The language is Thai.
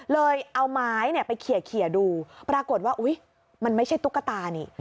เลยเอาไม้ไปเขียดูปรากฏว่าอุ๊ยมันไม่ใช่ตุ๊กตานี่